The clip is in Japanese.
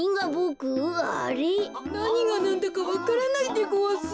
なにがなんだかわからないでごわす。